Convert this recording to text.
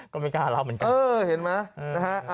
ก็ไม่กล้ารับเหมือนกัน